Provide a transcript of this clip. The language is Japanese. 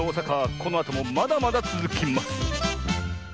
このあともまだまだつづきます！